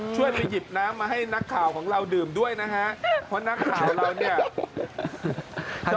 ช่วยมาหยิบน้ำมาให้นักข่าวของเราดื่มด้วยนะคะ